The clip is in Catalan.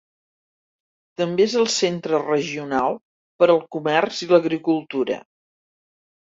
També és el centre regional per al comerç i l'agricultura.